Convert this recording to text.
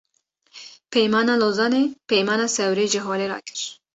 Peymana Lozanê, Peymana Sewrê ji holê rakir